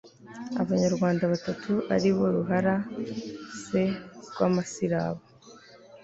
abanyarwanda batatu, aribo ruhara s., rwamasirabo